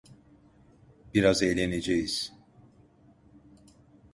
Biraz eğleneceğiz.